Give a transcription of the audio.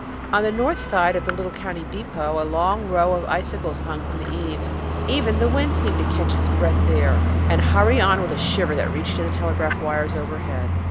On the north side of the little country depot a long row of icicles hung from the eaves. Even the wind seemed to catch its breath there, and hurry on with a shiver that reached to the telegraph wires overhead.